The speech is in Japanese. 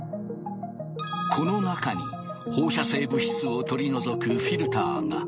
この中に放射性物質を取り除くフィルターが。